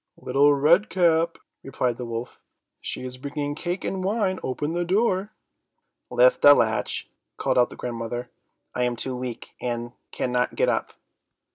"Little Red Cap," replied the wolf. "She is bringing cake and wine; open the door." "Lift the latch," called out the grandmother, "I am too weak, and cannot get up."